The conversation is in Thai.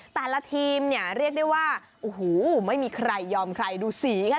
แต่ละทีมเนี่ยเรียกได้ว่าโอ้โหไม่มีใครยอมใครดูสีค่ะ